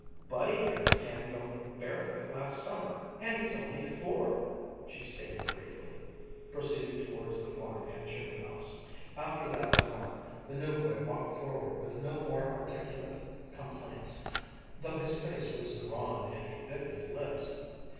"Buddy here began going barefoot last summer and he's only four," she stated briefly, proceeding towards the barn and chicken house. After that remark the new boy walked forward with no more articulate complaints, though his face was drawn and he bit his lips.